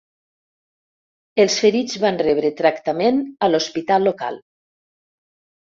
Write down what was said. Els ferits van rebre tractament a l'hospital local.